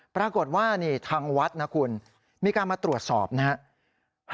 ปรากฏว่านี่ทางวัดนะคุณมีการมาตรวจสอบนะครับ